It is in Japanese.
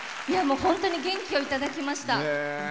本当に元気をいただきました。